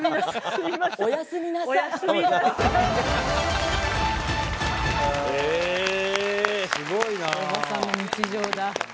すごいな。